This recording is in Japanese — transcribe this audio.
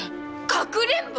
かくれんぼ？